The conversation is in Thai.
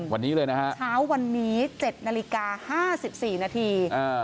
วันนี้เลยนะฮะช้าวันนี้เจ็ดนาฬิกาห้าสิบสี่นาที